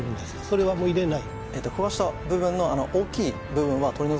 それはもう入れない？